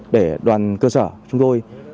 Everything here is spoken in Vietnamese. để đoàn cơ sở chúng tôi